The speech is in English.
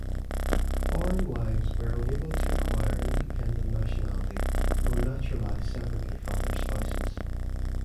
Foreign wives were unable to acquire independent nationality or naturalize separately from their spouses.